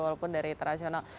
walaupun dari internasional